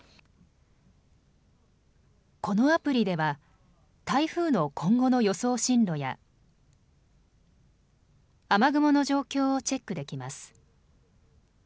このアプリでは台風の今後の予想進路や、雨雲の状況をチェックできます。